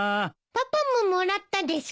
パパももらったですか？